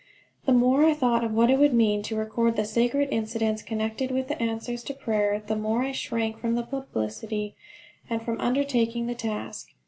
The more I thought of what it would mean to record the sacred incidents connected with answers to prayer the more I shrank from the publicity, and from undertaking the task.